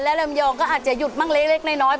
และลำยองก็อาจจะหยุดบ้างเล็กน้อย